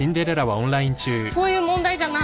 「そういう問題じゃない」